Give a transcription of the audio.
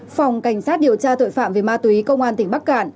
phòng cảnh sát điều tra tội phạm về ma túy công an tỉnh bắc cạn